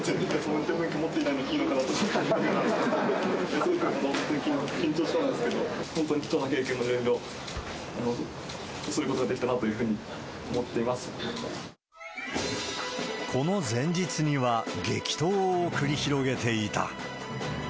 運転免許持っていないのにいいのかなと、すごく緊張したんですけど、本当に貴重な経験をいろいろすることができたなというふうに思っこの前日には、激闘を繰り広げていた。